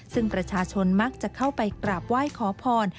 ซึ่งประชาชนมักจะเข้าไปกราบไหว้ขอพร